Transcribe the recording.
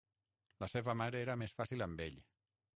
La seva mare era més fàcil amb ell.